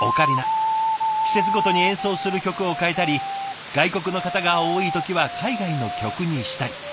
季節ごとに演奏する曲を変えたり外国の方が多い時は海外の曲にしたり。